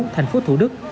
thành phố thủ đức